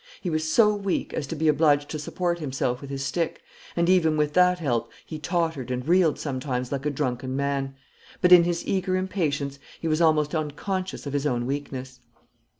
He was so weak as to be obliged to support himself with his stick; and even with that help he tottered and reeled sometimes like a drunken man. But, in his eager impatience, he was almost unconscious of his own weakness.